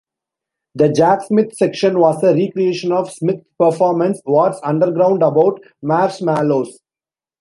The Jack Smith section was a recreation of Smith's performance What's Underground About Marshmallows?